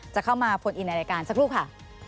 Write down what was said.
จะเข้ามาโฟนอินในรายการสักครู่ค่ะ